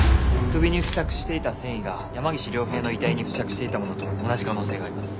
首に付着していた繊維が山岸凌平の遺体に付着していたものと同じ可能性があります。